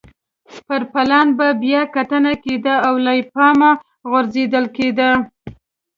پر پلان به بیا کتنه کېده او له پامه غورځول کېده.